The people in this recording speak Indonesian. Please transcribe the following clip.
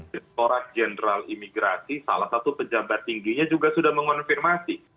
direkturat jenderal imigrasi salah satu pejabat tingginya juga sudah mengonfirmasi